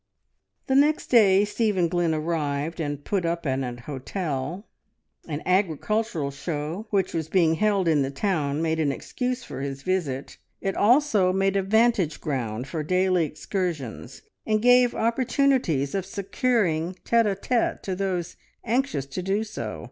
The next day Stephen Glynn arrived, and put up at an hotel. An agricultural show which was being held in the town made an excuse for his visit; it also made a vantage ground for daily excursions, and gave opportunities of securing tete a tete to those anxious to do so.